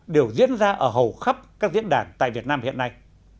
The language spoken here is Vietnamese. đều diễn ra ở hầu khắp các diễn đàn tại việt nam hiện nay